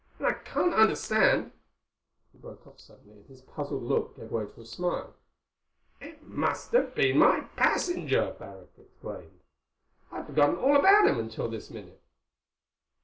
And I can't understand—" He broke off suddenly and his puzzled look gave way to a smile. "It must have been my passenger," Barrack explained. "I'd forgotten all about him until this minute."